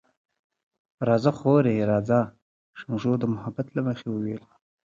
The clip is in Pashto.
راځه خورې، راځه، شمشو د محبت له مخې وویل.